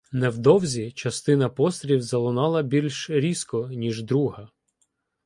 Невдовзі частина пострілів залунала більш різко, ніж друга.